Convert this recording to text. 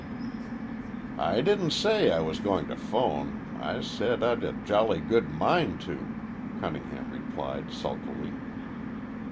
"I didn't say I was going to 'phone. I said I'd a jolly good mind to," Cunningham replied sulkily.